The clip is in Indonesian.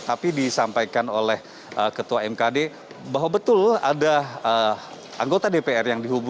tapi disampaikan oleh ketua mkd bahwa betul ada anggota dpr yang dihubungi